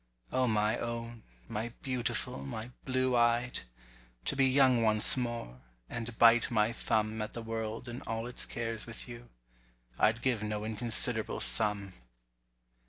O my own, my beautiful, my blue eyed! To be young once more, and bite my thumb At the world and all its cares with you, I'd Give no inconsiderable sum.